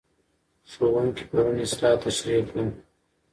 ښوونکی پرون اصلاح تشریح کړه.